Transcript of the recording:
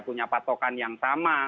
punya patokan yang sama